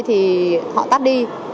thì họ tắt đi